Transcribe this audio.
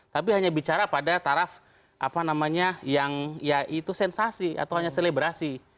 tapi hanya bicara pada taraf apa namanya yang ya itu sensasi atau hanya selebrasi